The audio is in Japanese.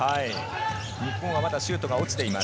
日本はまだシュートが落ちています。